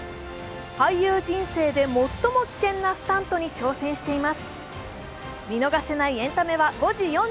俳優人生で最も危険なスタントに挑戦しています。